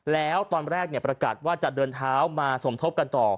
แล้วตอนแรกประกาศว่าจะเดินเท้ามาสมทบกันต่อ